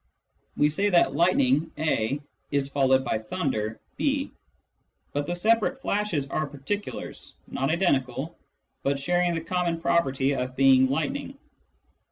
We say that lightning (A) is followed by thunder (B). But the separate flashes are particulars, not identical, but sharing the common property of being lightning.